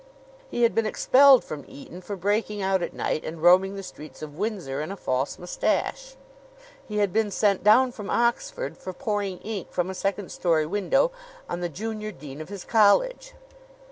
He had been expelled from Eton for breaking out at night and roaming the streets of Windsor in a false mustache. He had been sent down from Oxford for pouring ink from a second story window on the junior dean of his college.